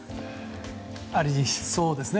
ありそうですね。